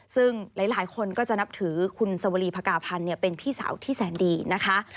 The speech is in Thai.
ซึ่งหลายคนก็จะนับถือคุณสวรีภากาพันธ์เป็นพี่สาวที่แสนดีนะคะ